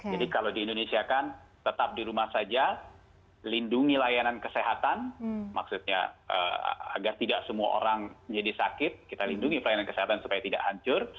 jadi kalau di indonesia kan tetap di rumah saja lindungi layanan kesehatan maksudnya agar tidak semua orang jadi sakit kita lindungi layanan kesehatan supaya tidak hancur